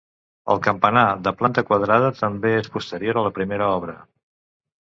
El campanar de planta quadrada també és posterior a la primera obra.